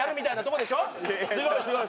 すごいすごい。